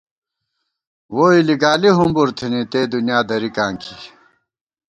ووئی لِگالی ہُمبُر تھنی، تے دُنیا دَرِکاں کی